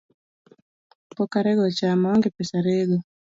Pok arego cham, aonge pesa rego.